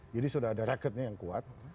jadi sudah ada recordnya yang kuat